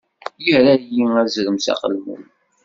Irra-yi azrem s aqelmun.